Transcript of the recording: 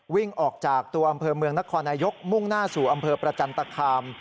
วิ่งออกจากตัวอำเภอเมืองนครนายกมุ่งหน้าสู่อำเภอประจันตคาม